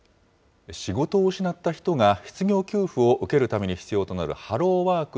仕事を失った人が失業給付を受けるために必要となるハローワーク